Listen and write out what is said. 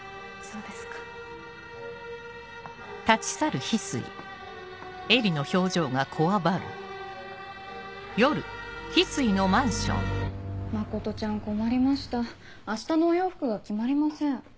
うん真ちゃん困りました明日のお洋服が決まりません。